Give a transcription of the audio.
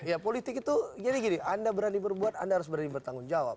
ya politik itu jadi gini anda berani berbuat anda harus berani bertanggung jawab